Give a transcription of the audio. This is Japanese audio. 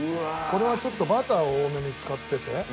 これはちょっとバターを多めに使ってて。